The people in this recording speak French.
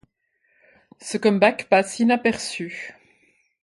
Ce comeback passe inaperçu.